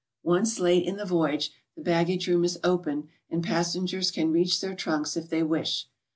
Once late in the voyage the baggage room is opened and passengers can reach their trunks if they wish.